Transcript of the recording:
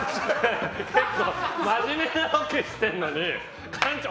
結構真面目なロケしてるのにカンチョー！